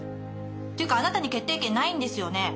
っていうかあなたに決定権ないんですよね？